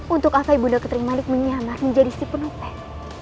untuk apa ibu nek ketrimanik menyamarkan jadi si penopel